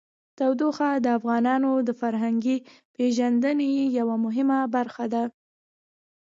تودوخه د افغانانو د فرهنګي پیژندنې یوه مهمه برخه ده.